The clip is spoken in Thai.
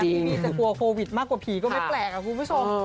พี่บีจะกลัวโควิดมากกว่าผีก็ไม่แปลกอะคุณผู้ชม